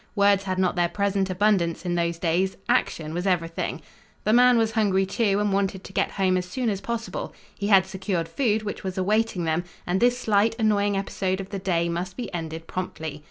Words had not their present abundance in those days; action was everything. The man was hungry, too, and wanted to get home as soon as possible. He had secured food, which was awaiting them, and this slight, annoying episode of the day must be ended promptly.